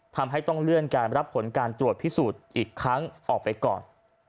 ทำให้ต้องเลื่อนการรับผลการตรวจพิสูจน์อีกครั้งออกไปก่อน